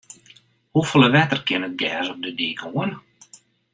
Hoefolle wetter kin it gers op de dyk oan?